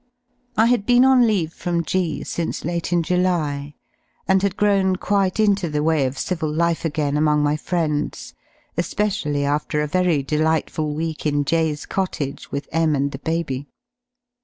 I had been on leave from G since late in July, and had grown quite into the way of civil life again among my friends, especially after a very delightful week in J 's cottage with M and the baby.